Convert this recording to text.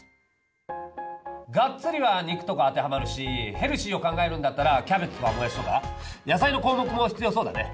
がっつりは肉とか当てはまるしヘルシーを考えるんだったらキャベツとかもやしとか野菜の項目も必要そうだね。